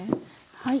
はい。